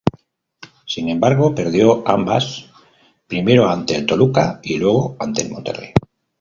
Sin embargo, perdió ambas, primero ante el Toluca y luego ante el Monterrey.